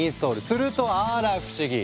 するとあら不思議！